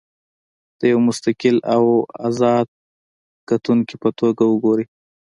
د یوه مستقل او ازاد کتونکي په توګه وګورئ.